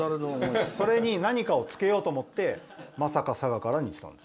それに何かつけようと思って「まさか佐賀から」にしたんです。